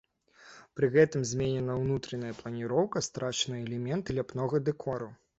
Пры гэтым зменена ўнутраная планіроўка, страчаны элементы ляпнога дэкору.